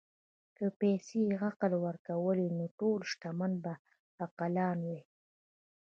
که پیسې عقل ورکولی، نو ټول شتمن به عاقلان وای.